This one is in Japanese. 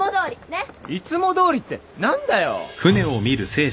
ねっ？いつもどおりって何だよ。